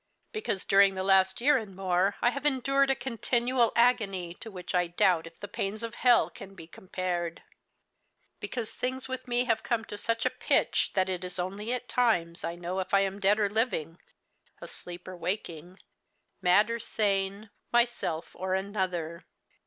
Because, during the last year and more I have endured a continual agony to which I doubt if the pains of hell can be compared. Because things with me have come to such a pitch that it is only at times I know if I am dead or living, asleep or waking, mad or sane, myself or another."